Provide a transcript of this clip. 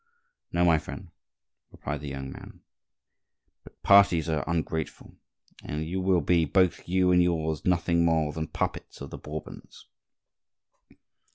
"No, my friend," replied the young man, "but parties are ungrateful; and you will be, both you and yours, nothing more than puppets of the Bourbons."